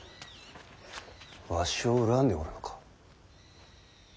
わしを恨んでおるのか？